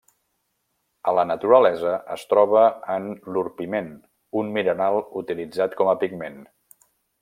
A la naturalesa es troba en l'orpiment, un mineral utilitzat com a pigment.